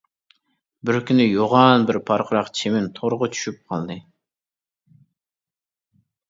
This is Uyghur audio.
بىر كۈنى يوغان بىر پارقىراق چىۋىن تورغا چۈشۈپ قالدى.